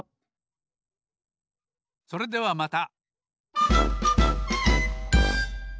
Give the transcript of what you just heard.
それではまた。